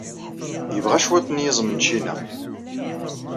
Yebɣa cwiṭ n yiẓem n ččina.